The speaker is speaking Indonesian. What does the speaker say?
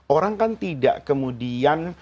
orang kan tidak kemudian